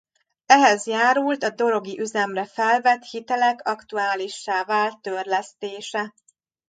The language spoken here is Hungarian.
Ehhez járult a dorogi üzemre felvett hitelek aktuálissá vált törlesztése.